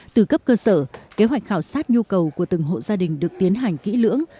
từ cấp cơ sở kế hoạch khảo sát nhu cầu của từng hộ gia đình được tiến hành kỹ lưỡng